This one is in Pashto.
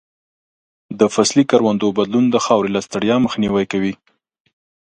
د فصلي کروندو بدلون د خاورې له ستړیا مخنیوی کوي.